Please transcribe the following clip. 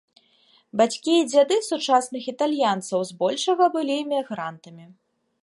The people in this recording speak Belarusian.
Бацькі і дзяды сучасных італьянцаў збольшага былі эмігрантамі.